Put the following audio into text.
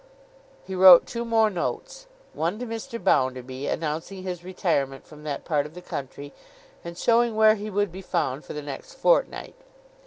He wrote two more notes. One, to Mr. Bounderby, announcing his retirement from that part of the country, and showing where he would be found for the next fortnight.